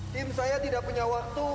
tim saya tidak punya waktu